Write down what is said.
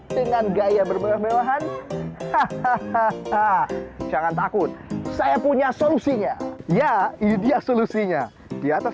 dengan gaya bermegah mewahan hahaha jangan takut saya punya solusinya ya ini dia solusinya di atas